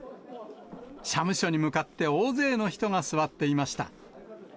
社務所に向かって大勢の人が座っていました。